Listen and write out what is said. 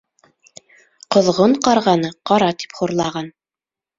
Ҡоҙғон ҡарғаны «ҡара» тип хурлаған.